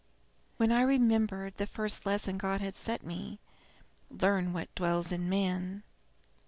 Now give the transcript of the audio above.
"Then I remembered the first lesson God had set me: 'Learn what dwells in man.'